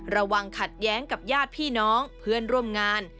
ขัดแย้งกับญาติพี่น้องเพื่อนร่วมงาน